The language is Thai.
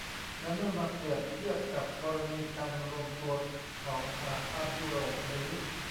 และเมื่อมาเปรียบเทียบกับกรณีการรวมตัวของสหภาพยุโรปหรือ